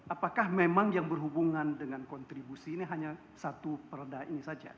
apakah memang yang berhubungan dengan kontribusi ini hanya satu perda ini saja